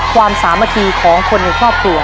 และความสามารถที่ของคนในครอบครัว